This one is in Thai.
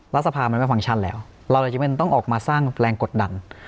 รัฐสภามันไม่ฟังก์แล้วเราเลยจะไม่ต้องออกมาสร้างแรงกดดัน